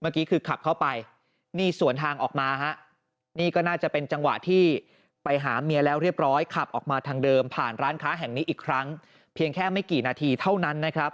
เมื่อกี้คือขับเข้าไปนี่สวนทางออกมาฮะนี่ก็น่าจะเป็นจังหวะที่ไปหาเมียแล้วเรียบร้อยขับออกมาทางเดิมผ่านร้านค้าแห่งนี้อีกครั้งเพียงแค่ไม่กี่นาทีเท่านั้นนะครับ